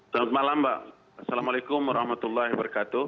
selamat malam mbak assalamualaikum warahmatullahi wabarakatuh